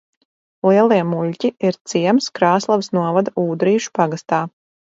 Lielie Muļķi ir ciems Krāslavas novada Ūdrīšu pagastā.